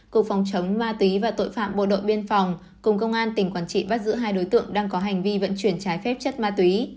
cục phòng chống ma túy và tội phạm bộ đội biên phòng cùng công an tỉnh quảng trị bắt giữ hai đối tượng đang có hành vi vận chuyển trái phép chất ma túy